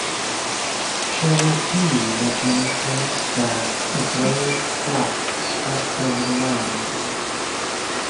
Cherokee legend tells that a great flood swept over the land.